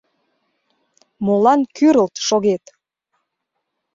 Молан кӱрылт шогет?